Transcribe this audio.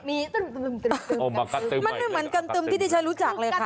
มันเหมือนกันตึมที่ดิฉันรู้จักเลยค่ะ